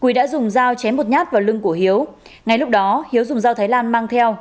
quý đã dùng dao chém một nhát vào lưng của hiếu ngay lúc đó hiếu dùng dao thái lan mang theo